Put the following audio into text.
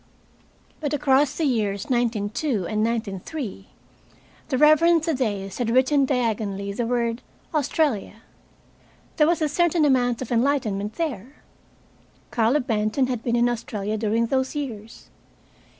But across the years 1902 and 1903, the Reverend Thaddeus had written diagonally the word "Australia." There was a certain amount of enlightenment there. Carlo Benton had been in Australia during those years.